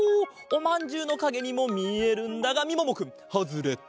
おまんじゅうのかげにもみえるんだがみももくんハズレット！